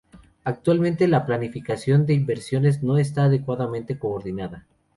Actualmente la planificación de inversiones no está adecuadamente coordinada.